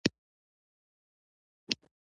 ما د معنوي او روحاني خوښۍ احساس کاوه.